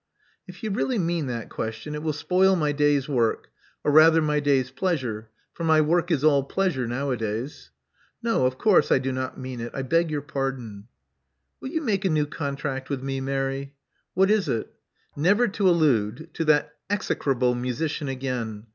*'If you really mean that question, it will spoil my day's work, or rather my day's pleasure; for my work is all pleasure, nowadays." No, of <:ourse I do not mean it I beg your pardon." *' Will you make a new contract with me, Mary?" •*What is it?" Never to allude to that execrable musician again.